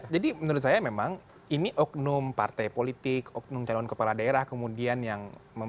jadi menurut saya memang ini oknum partai politik oknum calon kepala daerah kemudian yang